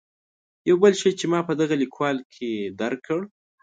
یو بل شی چې ما په دغه لیکوال کې درک کړ.